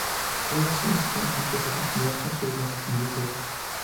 Fue su asistente e impresora y ha contribuido a difundir su obra.